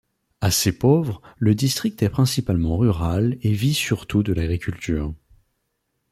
Assez pauvre, le district est principalement rural et vit surtout de l'agriculture.